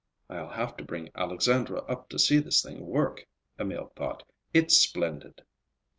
"I'll have to bring Alexandra up to see this thing work," Emil thought; "it's splendid!"